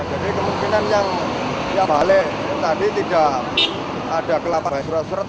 jadi kemungkinan yang balik tadi tidak ada kelapaan surat surat